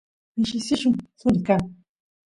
mishi sillun suni kan